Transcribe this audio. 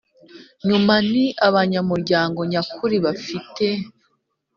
nyuma ni abanyamuryango nyakuri Bafite